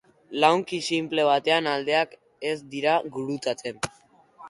Lauki sinple batean aldeak ez dira gurutzatzen.